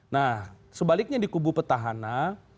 nah sebaliknya di kubu petahana